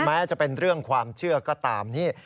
แม้จะเป็นเรื่องความเชื่อก็ตามนี่